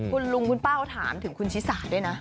คุณลุงคุณป้าเขาถามถึงคุณชิสาด้วยนะ